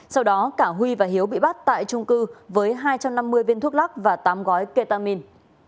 sau đó cả huy và hiếu bị bắt tại trung cư với hai trăm năm mươi viên thuốc lắc và tám gói ketamin